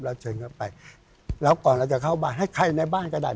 เชิญเข้าไปแล้วก่อนเราจะเข้าบ้านให้ใครในบ้านก็ได้